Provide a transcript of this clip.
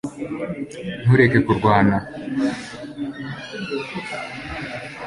ntureke kurwana